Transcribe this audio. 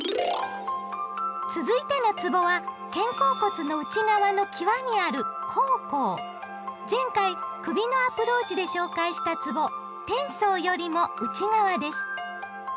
続いてのつぼは肩甲骨の内側の際にある前回首のアプローチで紹介したつぼ「天宗」よりも内側です。